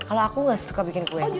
kalau aku gak suka bikin kue